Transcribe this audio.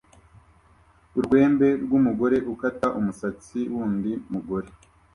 Urwembe rwumugore ukata umusatsi wundi mugore